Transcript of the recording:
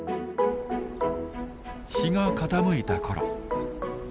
日が傾いた頃。